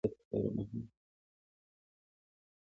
اوبزین معدنونه د افغانستان د چاپیریال د مدیریت لپاره مهم دي.